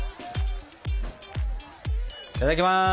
いただきます！